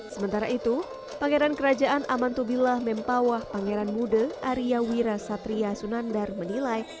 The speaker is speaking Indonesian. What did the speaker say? sementara itu pangeran kerajaan amantubilah mempawah pangeran muda arya wira satria sunandar menilai